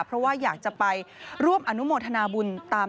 เพราะว่าอยากจะไปร่วมอนุโมทนาบุญตาม